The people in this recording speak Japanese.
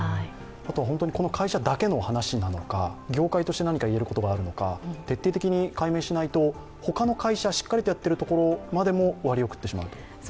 この会社だけの話なのか業界として何か言えることがあるのか徹底的に解明しないと他の会社しっかりとやっているところまで割を食ってしまうと。